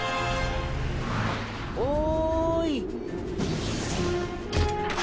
おい。